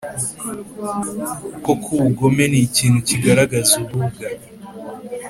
Koko, ubugome ni ikintu kigaragaza ububwa,